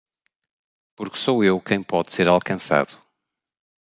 Porque sou eu quem pode ser alcançado